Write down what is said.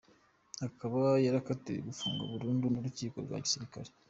Akaba yarakatiwe gufungwa burundu n’urukiko rwa Gisirikare.